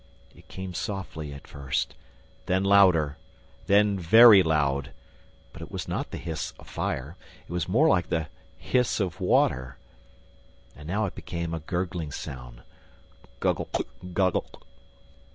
It came softly, at first, then louder, then very loud. But it was not the hiss of fire. It was more like the hiss of water. And now it became a gurgling sound: "Guggle! Guggle!"